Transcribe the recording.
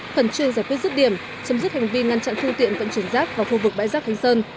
khẩn truyền giải quyết rứt điểm chấm dứt hành vi ngăn chặn thu tiện vận chuyển rác vào khu vực bãi rác hành sơn